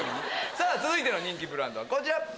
続いての人気ブランドはこちら！